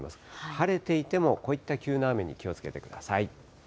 晴れていても、こういった急な雨に気をつけてください。